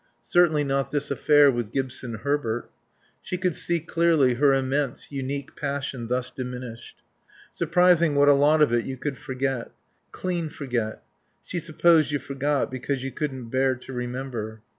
Certainly not this affair with Gibson Herbert. She could see clearly her immense, unique passion thus diminished. Surprising what a lot of it you could forget. Clean forget. She supposed you forgot because you couldn't bear to remember.